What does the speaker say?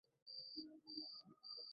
আমি তার মধ্যে একটাতে কম্বল পাতিয়া শুইলাম।